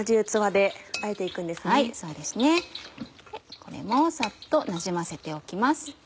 これもさっとなじませておきます。